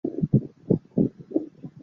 部分房屋屋顶的木瓦被风吹飞。